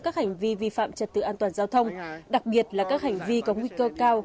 các hành vi vi phạm trật tự an toàn giao thông đặc biệt là các hành vi có nguy cơ cao